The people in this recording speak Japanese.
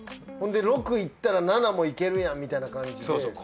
ほんで６いったら７もいけるやんみたいな感じで。